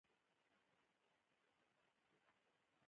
باسواده نجونې د ګمرکونو په برخه کې کار کوي.